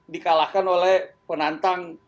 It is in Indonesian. di kalahkan oleh penantang